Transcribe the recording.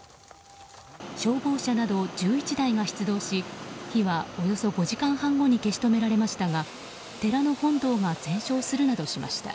消防車など１１台が出動し火はおよそ５時間半後に消し止められましたが寺の本堂が全焼するなどしました。